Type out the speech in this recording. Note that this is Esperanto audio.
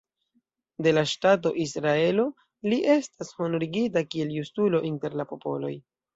De la ŝtato Israelo li estas honorigita kiel "Justulo inter la popoloj".